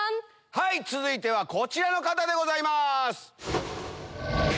はい続いてはこちらの方でございます。